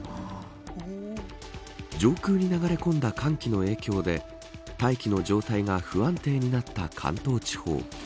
上空に流れ込んだ寒気の影響で大気の状態が不安定になった関東地方。